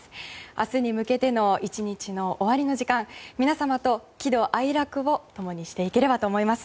明日に向けての１日の終わりの時間皆様と、喜怒哀楽を共にしていければと思います。